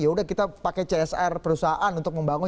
yaudah kita pakai csr perusahaan untuk membangun